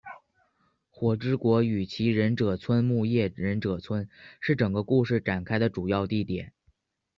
火之国与其忍者村木叶忍者村是整个故事展开的主要地点。